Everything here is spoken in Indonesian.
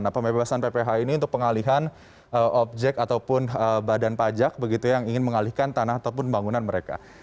nah pembebasan pph ini untuk pengalihan objek ataupun badan pajak begitu yang ingin mengalihkan tanah ataupun bangunan mereka